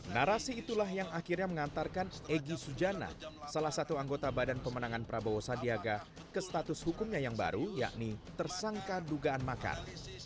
narasi itulah yang akhirnya mengantarkan egy sujana salah satu anggota badan pemenangan prabowo sandiaga ke status hukumnya yang baru yakni tersangka dugaan makar